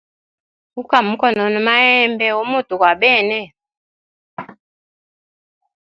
Guka mukonona mahembe u muti gwa bene.